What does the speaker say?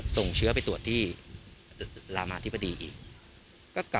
ส่งเชื้อไปตรวจที่รามาธิบดีอีก